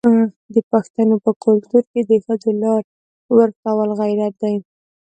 د پښتنو په کلتور کې د ښځو لار ورکول غیرت دی.